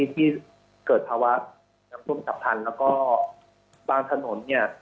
ที่เกิดภาวะร่างพุ่มศัพทันแล้วก็บางถนนเนี่ย